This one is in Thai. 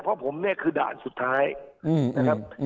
เพราะผมเนี่ยคือด่านสุดท้ายนะครับ